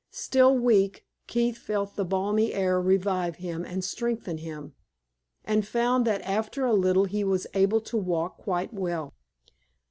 Still weak, Keith felt the balmy air revive him and strengthen him, and found that after a little he was able to walk quite well.